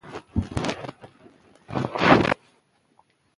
برژنیف سره سخته ناسته وشوه.